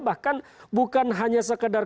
bahkan bukan hanya sekedar